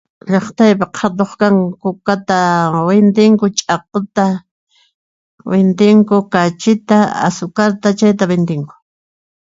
llaqtaypi qhatuq kan: kukata wintinku, ch'aquta wintiku, kachita asukarta chayta wintinku.